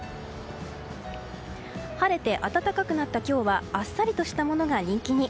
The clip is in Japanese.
晴れて暖かくなった今日はあっさりとしたものが人気に。